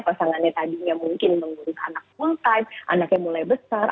pasangannya tadinya mungkin mengurus anak full time anaknya mulai besar